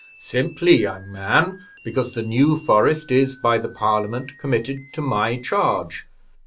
"Simply, young man, because the New Forest is, by the Parliament, committed to my charge.